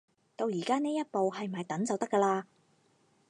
到而家呢一步，係唔係等就得㗎喇